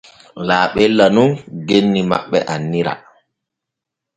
Laaɓella nun genni maɓɓe annira.